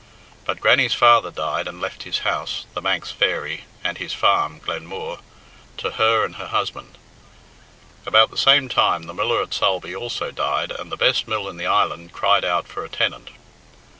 But Grannie's father died and left his house, "The Manx Fairy," and his farm, Glenmooar, to her and her husband. About the same time the miller at Sulby also died, and the best mill in the island cried out for a tenant.